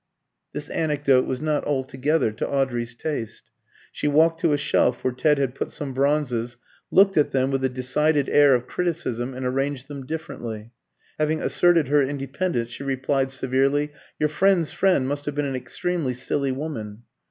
This anecdote was not altogether to Audrey's taste. She walked to a shelf where Ted had put some bronzes, looked at them with a decided air of criticism, and arranged them differently. Having asserted her independence, she replied severely "Your friend's friend must have been an extremely silly woman."